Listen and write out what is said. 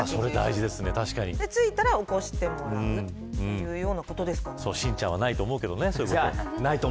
着いたら起こしてもらう心ちゃんはないと思うけどね。